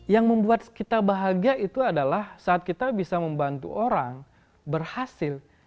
yang membuat kita bahagia itu adalah saat kita bisa membantu orang berhasil